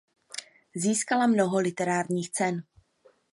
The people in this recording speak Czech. Získala mnoho literárních cen.